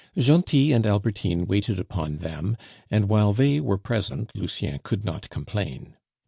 Gentil and Albertine waited upon them, and while they were present Lucien could not complain.